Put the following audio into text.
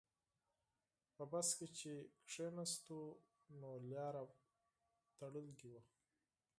په بس کې چې کیناستو نو لاره بنده وه.